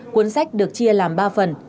cuốn sách được chia làm ba phần